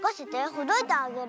ほどいてあげる。